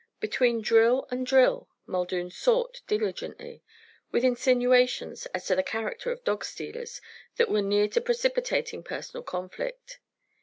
Between drill and drill Muldoon sought diligently, with insinuations as to the character of dog stealers that were near to precipitating personal conflict.